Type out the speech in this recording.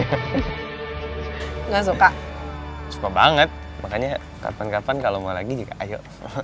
tidak suka suka banget makanya kapan kapan kalau mau lagi juga ayo